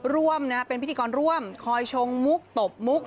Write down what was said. ร่วมเป็นพิธีกรร่วมคอยชงมุกตบมุก